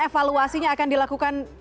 evaluasinya akan dilakukan